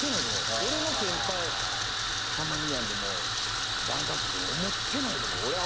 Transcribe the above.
俺の先輩さんま兄やんでもダウンタウンさんでも思ってないと思う。